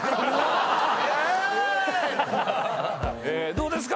どうですか？